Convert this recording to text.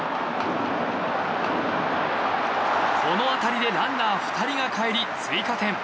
この当たりでランナー２人がかえり追加点。